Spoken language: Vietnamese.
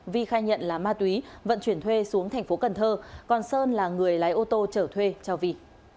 vi khai nhận là ma túy vận chuyển thuê xuống tp cnh còn sơn là người lái ô tô chở thuê cho vi